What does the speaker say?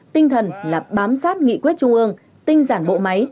tinh thần là bám sát nghị quyết trung ương tinh giản bộ máy